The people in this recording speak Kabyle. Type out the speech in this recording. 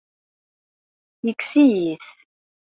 Yekkes-iyi-t.